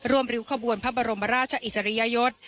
ริ้วขบวนพระบรมราชอิสริยยศ